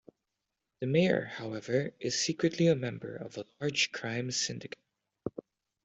The mayor, however, is secretly a member of a large crime syndicate.